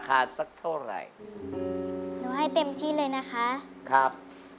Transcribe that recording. ความจะได้รู้นะครับ